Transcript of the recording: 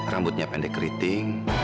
rambutnya pendek keriting